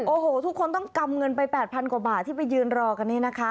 โอ้โหทุกคนต้องกำเงินไป๘๐๐กว่าบาทที่ไปยืนรอกันนี้นะคะ